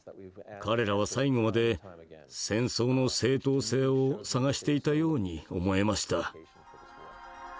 彼らは最後まで戦争の正当性を探していたように思えました。